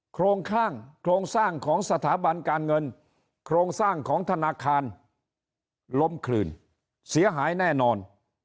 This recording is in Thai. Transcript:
โครงข้างโครงสร้างของสถาบันการเงินโครงสร้างของธนาคารล้มคลืนเสียหายแน่นอน